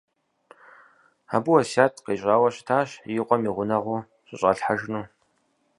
Абы уэсят къищӀауэ щытащ и къуэм и гъунэгъуу щыщӀалъхьэжыну.